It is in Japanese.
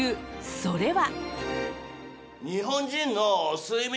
それは。